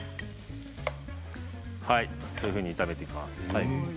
そういうふうに炒めていきます。